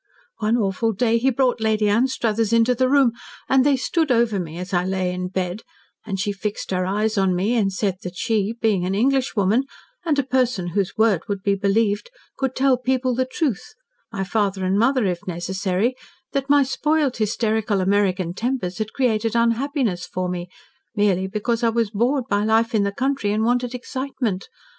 One awful day he brought Lady Anstruthers into the room, and they stood over me, as I lay in bed, and she fixed her eyes on me and said that she being an Englishwoman, and a person whose word would be believed, could tell people the truth my father and mother, if necessary, that my spoiled, hysterical American tempers had created unhappiness for me merely because I was bored by life in the country and wanted excitement.